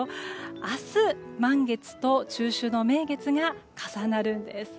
明日、満月と中秋の名月が重なるんです。